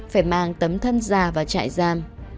phải mang tấm thân ra và chạy giam